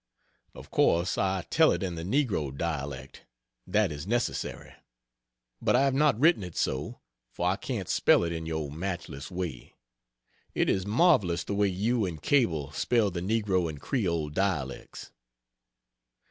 Of course I tell it in the negro dialect that is necessary; but I have not written it so, for I can't spell it in your matchless way. It is marvelous the way you and Cable spell the negro and creole dialects.